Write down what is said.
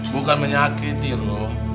bukan menyakiti ruh